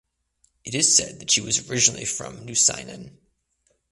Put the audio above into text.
It is said that she was originally from Nousiainen.